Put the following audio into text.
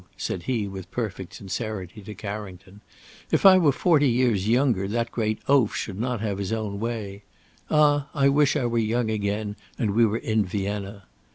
said he with perfect sincerity to Carrington; "If I were forty years younger, that great oaf should not have his own way. Ah! I wish I were young again and we were in Vienna!"